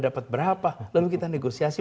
dapat berapa lalu kita negosiasi